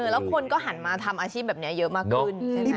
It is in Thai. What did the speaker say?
แล้วคนก็หันมาทำอาชีพแบบนี้เยอะมากขึ้นใช่ไหมคะ